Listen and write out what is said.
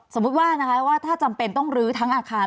สมมุติว่านะคะว่าถ้าจำเป็นต้องลื้อทั้งอาคาร